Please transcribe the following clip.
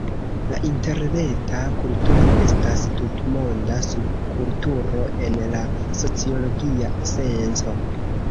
La interreta kulturo estas tutmonda subkulturo en la sociologia senco.